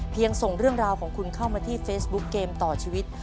ส่งเรื่องราวของคุณเข้ามาที่เฟซบุ๊กเกมต่อชีวิต